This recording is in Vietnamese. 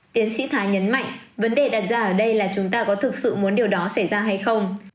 tiến sĩ thái nhấn mạnh vấn đề đặt ra ở đây là chúng ta có thực sự muốn điều đó xảy ra hay không